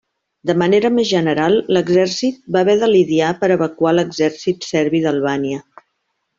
De manera més general, l'exèrcit va haver de lidiar per a evacuar l'exèrcit serbi d'Albània.